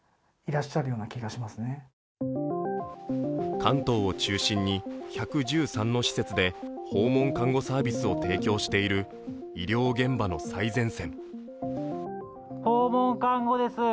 関東を中心に１１３の施設で訪問看護サービスを提供している医療現場の最前線。